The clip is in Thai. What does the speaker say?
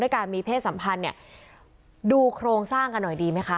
การมีเพศสัมพันธ์เนี่ยดูโครงสร้างกันหน่อยดีไหมคะ